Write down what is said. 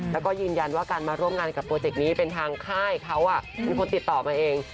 แล้วก็ยืนยันว่าการมาร่วมงานกับโปรเจกต์นี้เป็นทางค่ายเขาเป็นคนติดต่อมาเอง